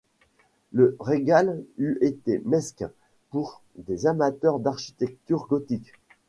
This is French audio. Le régal eût été mesquin pour des amateurs d’architecture gothique.